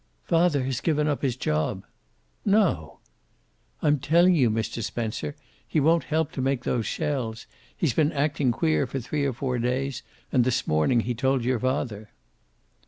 "Father has given up his job." "No!"! "I'm telling you, Mr. Spencer. He won't help to make those shells. He's been acting queer for three or four days and this morning he told your father."